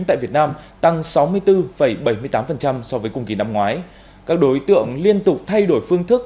tại việt nam tăng sáu mươi bốn bảy mươi tám so với cùng kỳ năm ngoái các đối tượng liên tục thay đổi phương thức